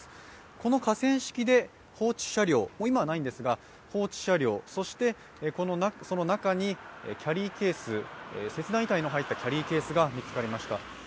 この河川敷で放置車両、今はないんですが、そしてその中に切断遺体の入ったキャリーケースが見つかりました。